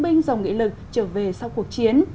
kinh dòng nghị lực trở về sau cuộc chiến